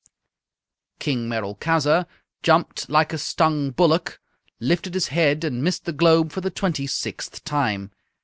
King Merolchazzar jumped like a stung bullock, lifted his head, and missed the globe for the twenty sixth time.